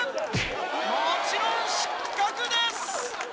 もちろん失格です！